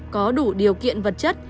có đủ điều kiện vật chất